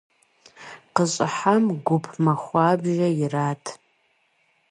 КъыщӀыхьам гуп махуэбжьэ ират.